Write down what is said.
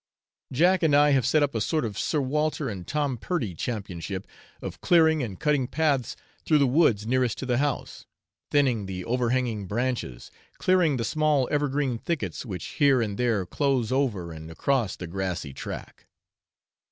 Jack and I have set up a sort of Sir Walter and Tom Purdie companionship of clearing and cutting paths through the woods nearest to the house; thinning the overhanging branches, clearing the small evergreen thickets which here and there close over and across the grassy track.